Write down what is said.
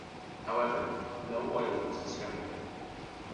However, no oil was discovered.